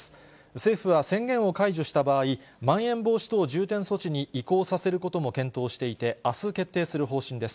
政府は、宣言を解除した場合、まん延防止等重点措置に移行させることも検討していて、あす、決定する方針です。